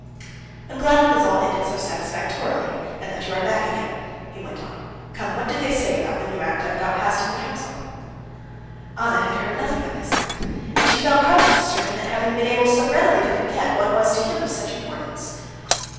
"I am glad it has all ended so satisfactorily, and that you are back again," he went on. "Come, what do they say about the new act I have got passed in the council?" Anna had heard nothing of this act, and she felt conscience stricken at having been able so readily to forget what was to him of such importance.